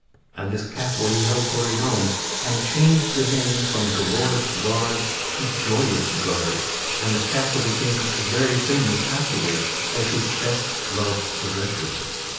(And this castle he held for his own and changed the name from Dolorous Gard to Joyous Gard and the castle became very famous afterward as his best loved possession.